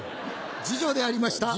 次女でありました。